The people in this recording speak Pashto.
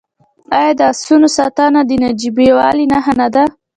آیا د اسونو ساتنه د نجیبوالي نښه نه ده؟